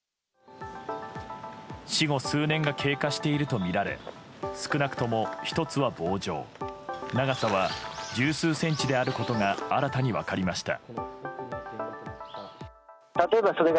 死後、数年が経過しているとみられ少なくとも、１つは棒状長さは十数センチであることが新たに分かりました。